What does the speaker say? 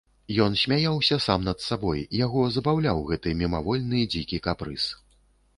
Ён смяяўся сам над сабой, яго забаўляў гэты мімавольны дзікі капрыз.